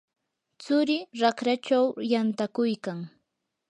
tsurii raqrachaw yantakuykan.